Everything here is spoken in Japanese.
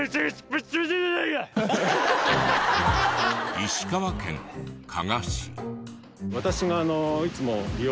石川県加賀市。